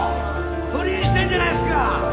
不倫してんじゃないっすか！